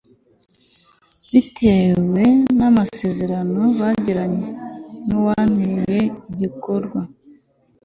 bitewe n'amasezerano bagiranye n'uwateguye igikorwa